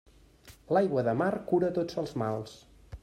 L'aigua del mar cura tots els mals.